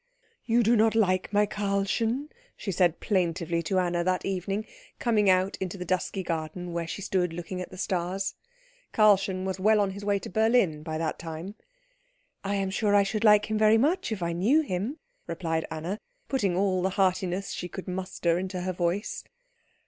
"You do not like my Karlchen?" she said plaintively to Anna that evening, coming out into the dusky garden where she stood looking at the stars. Karlchen was well on his way to Berlin by that time. "I am sure I should like him very much if I knew him," replied Anna, putting all the heartiness she could muster into her voice.